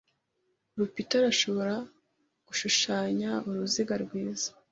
Rupita arashobora gushushanya uruziga rwiza.